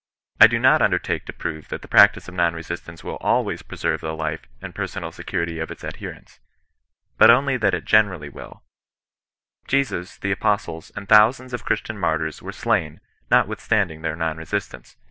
I do not imdertake to prove that the practice of non resistance will always preserve the life and personal security of its adherents, but only that it generalbj will, Jesus, the apostles, and thousands of Christian martyrs were slain notwithstanding their non resistance.